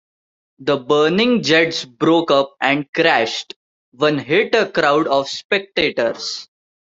The burning jets broke up and crashed; one hit a crowd of spectators.